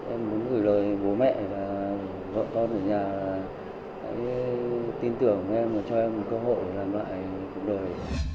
em muốn gửi lời bố mẹ và vợ con ở nhà hãy tin tưởng em và cho em một cơ hội để làm lại cuộc đời